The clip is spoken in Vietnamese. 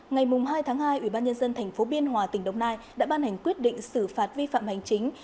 ngày hai tháng hai ubnd tp biên hòa tỉnh đồng nai đã ban hành quyết định xử phạt vi phạm hành chính